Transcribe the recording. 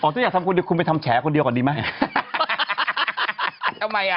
อ๋อฉันอยากทำคนเดียวคุณไปทำแฉคนเดียวก่อนดีไหม